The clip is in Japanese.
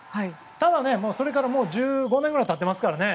ただ、それから１５年くらい経ってますからね。